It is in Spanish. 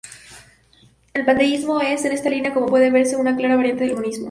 El panteísmo es, en esta línea, como puede verse, una clara variante del monismo.